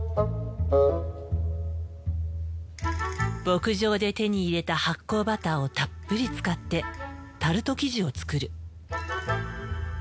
牧場で手に入れた発酵バターをたっぷり使ってタルト生地を作る。